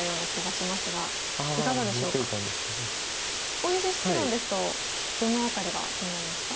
大西七段ですとどの辺りが気になりますか？